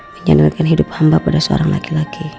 menyelamatkan hidup hamba pada seorang laki laki